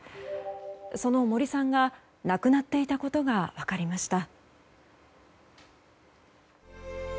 その森さんが亡くなっていたことが分かりました。